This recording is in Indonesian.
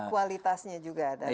kualitasnya juga ada